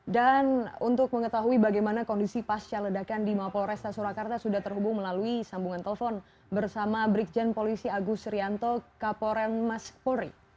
dan untuk mengetahui bagaimana kondisi pasca ledakan di mapol resta surakarta sudah terhubung melalui sambungan telpon bersama brikjen polisi agus rianto kaporen maskpuri